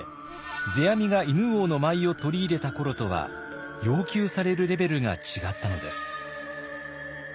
世阿弥が犬王の舞を取り入れた頃とは要求されるレベルが違ったのです。